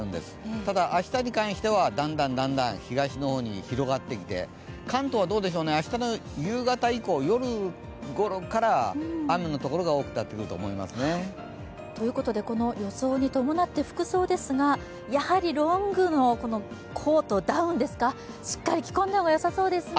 ただ明日に関しては、だんだん東の方に広がってきて関東は明日の夕方以降、夜ごろから雨の所が多くなってくると思いますね。ということでこの予想に伴って、服装ですがやはりロングのコート、ダウンをしっかり着込んだ方がよさそうですね。